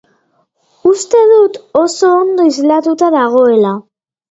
Uste dut oso ondo islatuta dagoela.